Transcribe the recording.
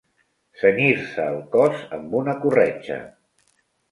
Cenyir-se el cos amb una corretja.